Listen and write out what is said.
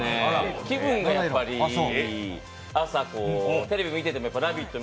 気分がやっぱりいい、朝テレビ見てても「ラヴィット！」